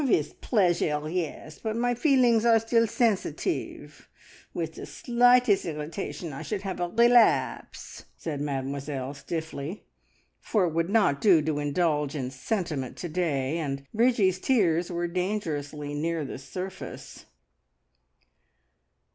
"With pleasure; yes! but my feelings are still sensitive. With the slightest irritation I should have a relapse!" said Mademoiselle stiffly; for it would not do to indulge in sentiment to day, and Bridgie's tears were dangerously near the surface.